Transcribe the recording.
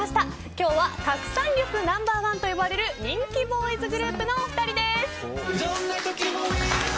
今日は拡散力ナンバー１といわれる人気ボーイズグループのお二人です。